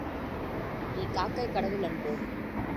நீ காக்கைக் கடவுளன்றோ!